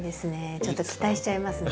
ちょっと期待しちゃいますね。